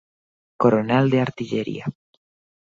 Coronel de artillería.